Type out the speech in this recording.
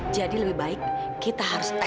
jadi lebih baik kita harus test ulang